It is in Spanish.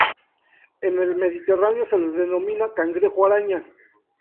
En el Mediterráneo se les denomina cangrejo araña.